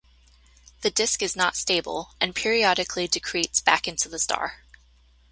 The disk is not stable and periodically decretes back into the star.